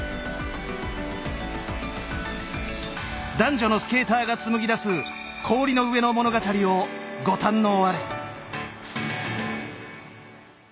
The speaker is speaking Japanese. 男女のスケーターがつむぎ出す氷の上の物語をご堪能あれ。